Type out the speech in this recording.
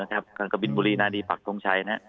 กราบบิลบุรีนาฬิปักทรงใช้